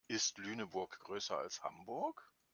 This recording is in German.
Ist Lüneburg größer als Hamburg?